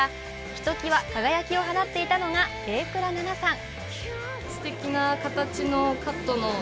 ひときわ輝きを放っていたのが榮倉奈々さん。